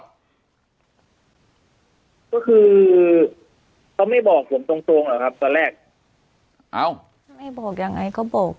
ก็คือจะไม่บอกผมตรงตอนแรกไม่บอกยังไงก็บอก